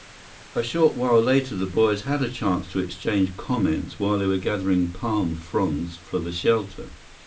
A short while later, the boys had a chance to exchange comments while they were gathering palm fronds for the shelter.